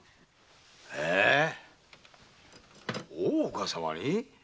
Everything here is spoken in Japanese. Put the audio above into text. え大岡様に？